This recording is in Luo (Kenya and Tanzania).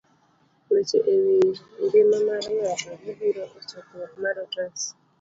Weche e Wi Ngima mar Ng'ato.gibiro e chakruok mar otas